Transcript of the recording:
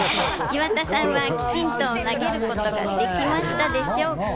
岩田さんはきちんと投げることができたんでしょうか。